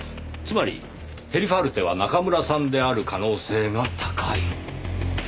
つまりヘリファルテは中村さんである可能性が高い。